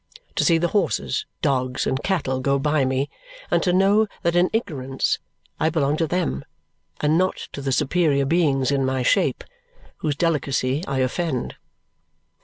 To see the horses, dogs, and cattle go by me and to know that in ignorance I belong to them and not to the superior beings in my shape, whose delicacy I offend!